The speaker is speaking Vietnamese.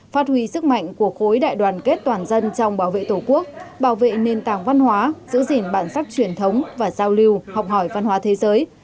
phát huy sức mạnh của khối đại đoàn kết toàn dân trong bảo vệ tổ quốc bảo vệ nền tảng văn hóa giữ gìn bản sắc truyền thống và giao lưu học hỏi văn hóa thế giới